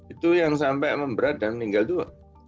itu yang sampai memang berat dan meninggal tua